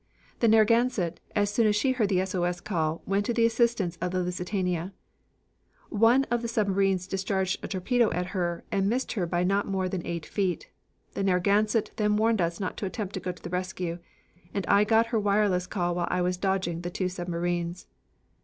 "The Narragansett, as soon as she heard the S O S call, went to the assistance of the Lusitania. One of the submarines discharged a torpedo at her and missed her by not more than eight feet. The Narragansett then warned us not to attempt to go to the rescue, and I got her wireless call while I was dodging the two submarines.